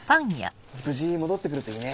無事戻って来るといいね。